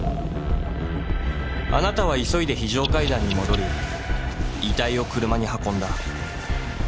あなたは急いで非常階段に戻り遺体を車に運んだ。